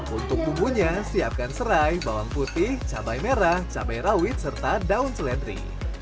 untuk bumbunya siapkan serai bawang putih cabai merah cabai rawit serta daun seledri